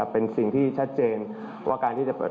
เป็นสิ่งที่ชัดเจนว่าการที่จะเปิด